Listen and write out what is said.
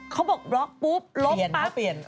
เขาบอกบล็อกปุ๊บลบปั๊ปเพลียนเขาเปลี่ยน